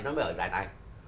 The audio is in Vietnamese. nó mới ở giải tài